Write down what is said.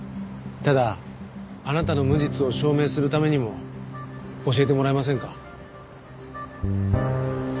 ただあなたの無実を証明するためにも教えてもらえませんか？